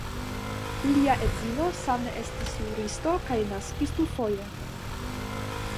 Lia edzino same estis juristo kaj naskis dufoje.